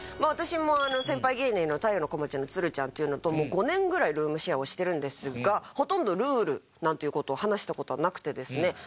私も先輩芸人の太陽の小町のつるちゃんっていうのともう５年ぐらいルームシェアをしてるんですがほとんどルールなんていう事を話した事はなくてですね